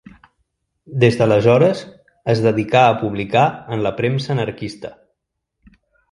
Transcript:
Des d'aleshores, es dedicà a publicar en la premsa anarquista.